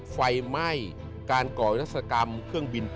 ไฟไหม้การก่อวิรัศกรรมเครื่องบิน